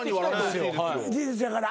事実やから。